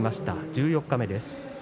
十四日目です。